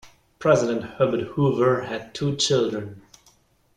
President Herbert Hoover had two children.